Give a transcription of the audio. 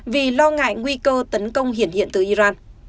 vì lo ngại nguy cơ tấn công hiện hiện từ iran